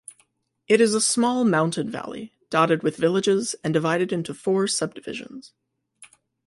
It is a small mountain valley, dotted with villages and divided into four sub-divisions.